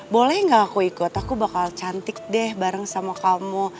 boleh gak aku ikut aku bakal cantik deh bareng sama kamu